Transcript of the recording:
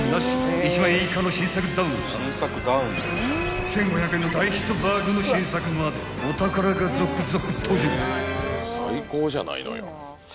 ［１万円以下の新作ダウンや１，５００円の大ヒットバッグの新作までお宝が続々登場］